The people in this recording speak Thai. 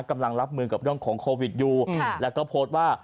กำลังรับมือกับเรื่องของโควิดอยู่แล้วก็โพสต์ว่า